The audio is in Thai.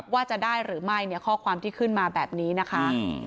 ว่าจะได้หรือไม่เนี่ยข้อความที่ขึ้นมาแบบนี้นะคะ